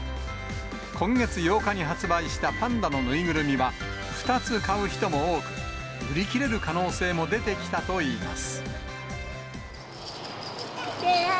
今月８日に発売したパンダの縫いぐるみは、２つ買う人も多く、売り切れる可能性も出てきたといいます。